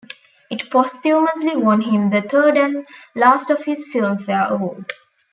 It posthumously won him the third and last of his Filmfare Awards.